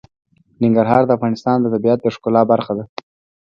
ننګرهار د افغانستان د طبیعت د ښکلا برخه ده.